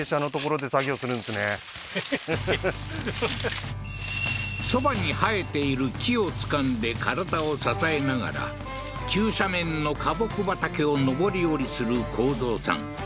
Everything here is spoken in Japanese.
はっそばに生えている木をつかんで体を支えながら急斜面の花木畑を上り下りする幸三さん